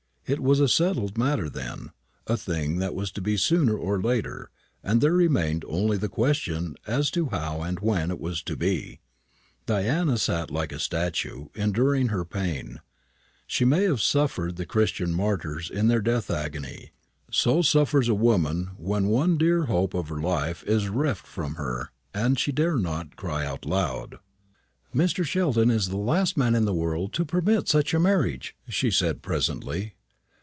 It was a settled matter, then a thing that was to be sooner or later; and there remained only the question as to how and when it was to be. Diana sat like a statue, enduring her pain. So may have suffered the Christian martyrs in their death agony; so suffers a woman when the one dear hope of her life is reft from her, and she dare not cry aloud. "Mr. Sheldon is the last man in the world to permit such a marriage," she said presently.